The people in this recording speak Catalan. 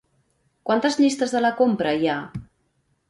Quantes llistes de la compra hi ha?